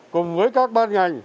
cùng với các ban ngành